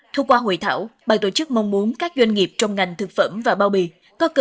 thu qua hội thảo bàn tổ chức mong muốn các doanh nghiệp trong ngành thực phẩm và bao bì có cơ